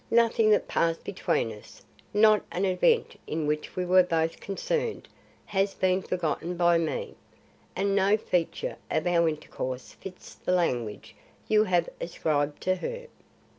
Nothing that passed between us, not an event in which we were both concerned, has been forgotten by me, and no feature of our intercourse fits the language you have ascribed to her.